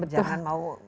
jangan mau cepat